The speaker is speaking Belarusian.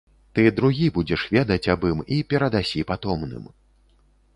Ты другі будзеш ведаць аб ім і перадасі патомным.